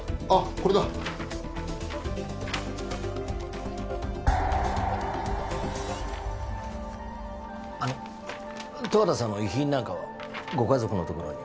これだあの十和田さんの遺品なんかはご家族のところに？